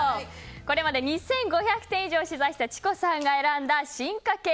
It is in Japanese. これまで２５００店以上取材したｃｈｉｃｏさんが選んだ進化系